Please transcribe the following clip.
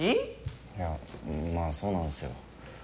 いやまあそうなんすよ